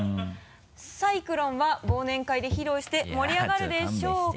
サイクロンは忘年会で披露して盛り上がるでしょうか？